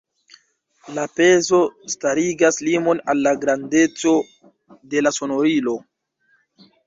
La pezo starigas limon al la grandeco de la sonorilo.